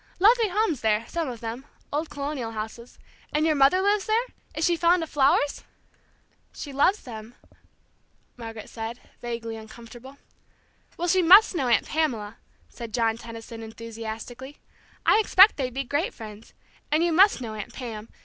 Lovely homes there, some of them, old colonial houses. And your mother lives there? Is she fond of flowers?" "She loves them," Margaret said, vaguely uncomfortable. "Well, she must know Aunt Pamela," said John Tenison, enthusiastically. "I expect they'd be great friends. And you must know Aunt Pam.